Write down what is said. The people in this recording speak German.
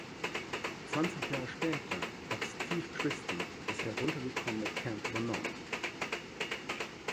Zwanzig Jahre später hat Steve Christy das heruntergekommene Camp übernommen.